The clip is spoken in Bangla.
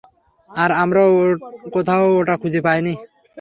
আর আমরাও কোথাও ওটা খুঁজে পাই নি।